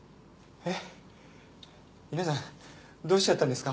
えっ！？